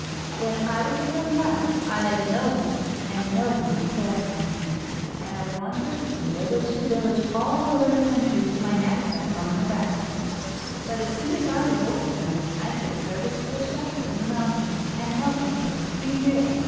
When I was a young lad I had no home and no one to care for me, and I wandered from village to village all over the country with my knapsack on my back; but as soon as I was old enough I took service with a shepherd in the mountains, and helped him for three years.